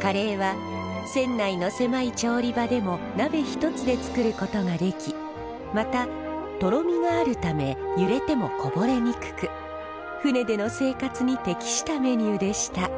カレーは船内の狭い調理場でも鍋１つで作ることができまたとろみがあるため揺れてもこぼれにくく船での生活に適したメニューでした。